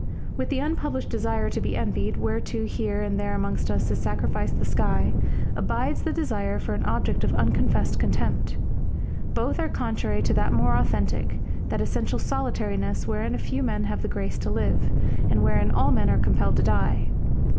With the unpublished desire to be envied, whereto here and there amongst us is sacrificed the sky, abides the desire for an object of unconfessed contempt. Both are contrary to that more authentic, that essential solitariness wherein a few men have the grace to live, and wherein all men are compelled to die.